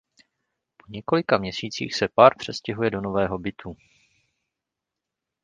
Po několika měsících se pár přestěhuje do nového bytu.